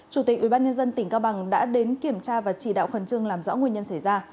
chủ tịch ubnd tỉnh cao bằng đã đến kiểm tra và chỉ đạo khẩn trương làm rõ nguyên nhân xảy ra